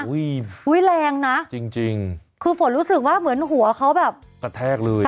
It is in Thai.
อุ้ยแรงนะจริงจริงคือฝนรู้สึกว่าเหมือนหัวเขาแบบกระแทกเลย